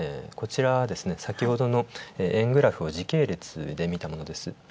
こちらは、先ほどの円グラフを時系列で見たものです。